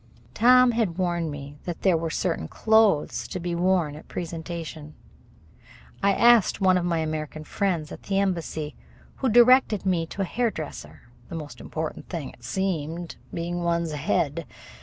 Tom had warned me that there were certain clothes to be worn at a presentation. I asked one of my American friends at the embassy, who directed me to a hairdresser the most important thing, it seemed, being one's head.